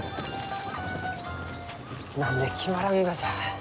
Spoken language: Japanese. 何で決まらんがじゃ？